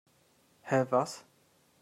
Hä, was?